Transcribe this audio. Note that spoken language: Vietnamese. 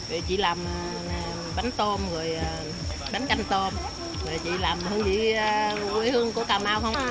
rồi chị làm bánh tôm rồi bánh canh tôm rồi chị làm hương vị quê hương của cà mau không